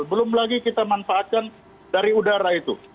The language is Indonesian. belum lagi kita manfaatkan dari udara itu